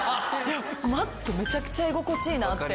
マットめちゃくちゃ居心地いいなって。